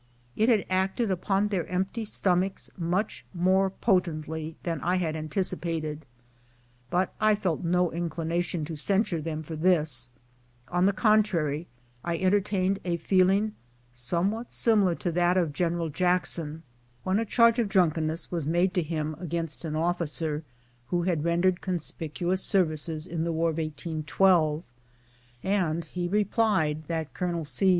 It had acted upon their empty stomachs much more potently than I had anticipated, but I felt no inclination to censure them for this ; on the contrary, I entertained a feeling some what similar to that of General Jackson when a charge of H a m H p3 O a > FORT MASSACHUSETTS. 247 drunkenness was made to him against an officer who had rendered conspicuous services in the war of 1812, and he re plied that Colonel C.'